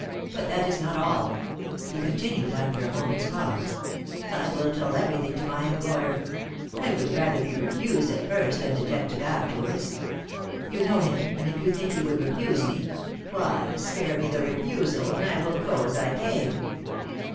But that is not all," he continued, after a moment's pause. "I will tell everything to my employer; I would rather be refused at first than detected afterwards. You know him, and if you think he would refuse me, why, spare me the refusal, and I will go as I came."